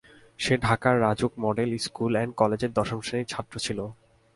সে ঢাকার RAJUK model school and কলেজের দশম শ্রেণির ছাত্র ছিল।